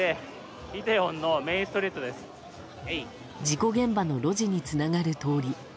事故現場の路地につながる通り。